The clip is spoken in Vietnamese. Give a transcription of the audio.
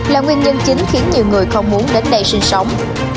là nguyên nhân chính khiến nhiều người không muốn đến đây sinh sống